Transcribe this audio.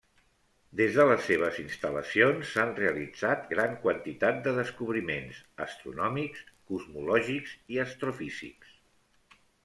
Des de les seves instal·lacions s'han realitzat gran quantitat de descobriments astronòmics, cosmològics i astrofísics.